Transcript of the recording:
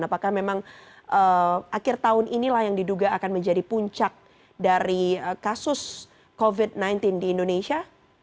apakah memang akhir tahun inilah yang diduga akan menjadi puncak dari kasus covid sembilan belas di indonesia